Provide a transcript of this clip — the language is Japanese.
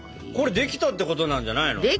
これできたってことなんじゃないの？